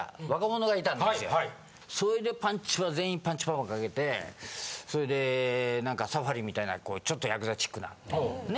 それで全員パンチパーマかけてそれでなんかサファリみたいなちょっとヤクザチックなね？